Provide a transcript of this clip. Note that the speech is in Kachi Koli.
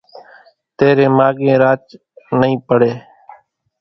تيرين ماڳين راچ نئي پڙي